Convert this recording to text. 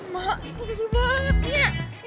makasih banget ya